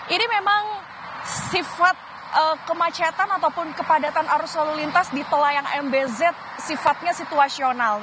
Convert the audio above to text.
ini memang sifat kemacetan ataupun kepadatan arus lalu lintas di tol layang mbz sifatnya situasional